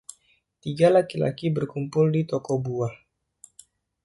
Tiga laki-laki berkumpul di toko buah.